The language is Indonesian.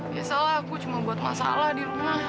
biasalah aku cuma buat masalah di rumah